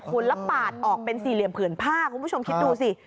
คูลและปาดออกเป็นสี่เพือนผ้ากทุกคุณผู้ชมคิดดูสิ